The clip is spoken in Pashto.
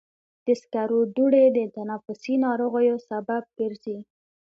د سکرو دوړې د تنفسي ناروغیو سبب ګرځي.